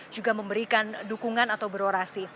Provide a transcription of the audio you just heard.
juga memberikan dukungan atau berorasi